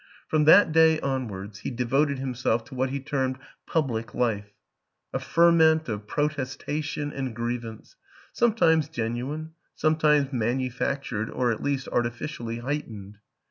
From that day onwards he devoted himself to what he termed public life a ferment of protestation and grievance; sometimes genuine, sometimes manufactured or, at least, artificially heightened.